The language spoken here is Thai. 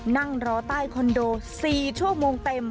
นั่งรอใต้คอนโด๔ชั่วโมงเต็ม